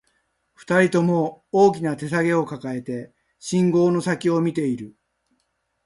二人とも、大きな手提げを抱えて、信号の先を見ている